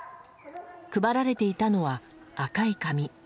配られていたのは赤い紙。